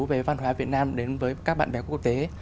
về văn hóa việt nam đến với các bạn bè quốc tế